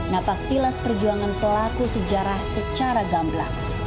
napak tilas perjuangan pelaku sejarah secara gamblang